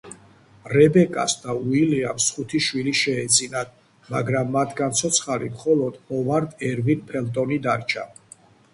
რებეკას და უილიამს ხუთი შვილი შეეძინათ, მაგრამ მათგან ცოცხალი მხოლოდ ჰოვარდ ერვინ ფელტონი დარჩა.